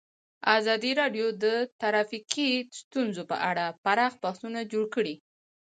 ازادي راډیو د ټرافیکي ستونزې په اړه پراخ بحثونه جوړ کړي.